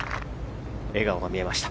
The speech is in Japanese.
笑顔が見えました。